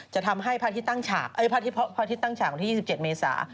จะทำให้พระอาทิตย์ตั้งฉากพระอาทิตย์ตั้งฉากของที่๒๗เมษา